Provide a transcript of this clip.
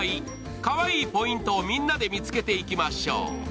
かわいいポイントをみんなで見つけていきましょう。